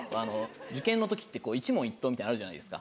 受験の時って一問一答みたいなあるじゃないですか。